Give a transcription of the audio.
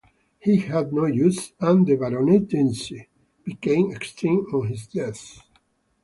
He had no issue and the baronetcy became extinct on his death.